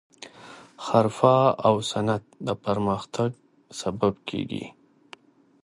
حرفه او صنعت د پرمختګ سبب کیږي.